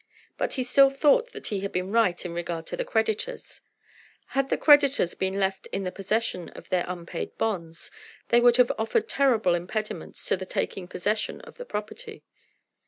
But he still thought that he had been right in regard to the creditors. Had the creditors been left in the possession of their unpaid bonds, they would have offered terrible impediments to the taking possession of the property.